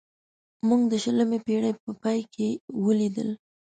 موږ د شلمې پېړۍ په پای کې ولیدل.